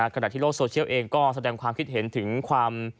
ขณะที่โลกโซเชียลเองก็แสดงความคิดเห็นถึงความ